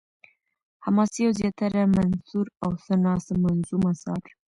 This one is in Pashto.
حماسې او زياتره منثور او څه نا څه منظوم اثار